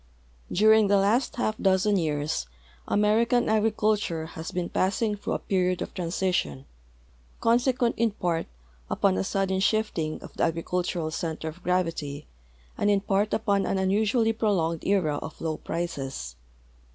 During the last half dozen }' ears American agriculture has been passing through a period of transition, consequent in part upon a sudden shifting of the agricultural center of gravit}'' and in part upon an unusuall}" prolonged era of low prices.